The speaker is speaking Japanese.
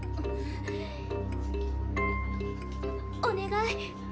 お願い。